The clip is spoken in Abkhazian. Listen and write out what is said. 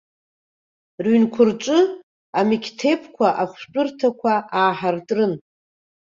Рыҩнқәа рҿы амеқьҭебқәа, ахәшәтәырҭақәа ааҳартрын.